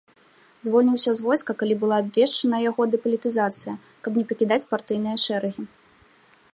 Звольніўся з войска, калі была абвешчана яго дэпалітызацыя, каб не пакідаць партыйныя шэрагі.